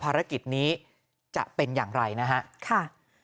ภารกิจนี้จะเป็นอย่างไรนะฮะค่ะ